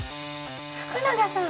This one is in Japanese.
福永さん！